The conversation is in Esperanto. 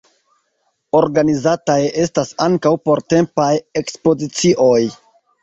Organizataj estas ankaŭ portempaj ekspozicioj.